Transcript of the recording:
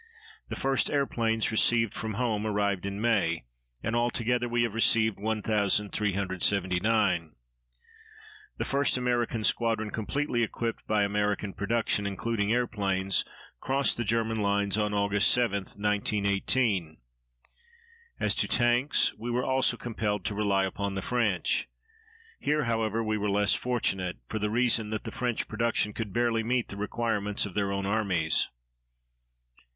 The first airplanes received from home arrived in May, and altogether we have received 1,379. The first American squadron completely equipped by American production, including airplanes, crossed the German lines on Aug. 7, 1918. As to tanks, we were also compelled to rely upon the French. Here, however, we were less fortunate, for the reason that the French production could barely meet the requirements of their own armies.